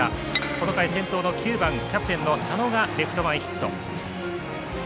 この回先頭のキャプテンの佐野がレフト前ヒット。